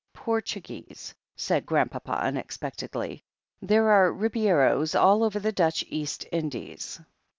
"Portuguese," said Grandpapa unexpectedly. "There are Ribeiros all over the Dutdi East Indies."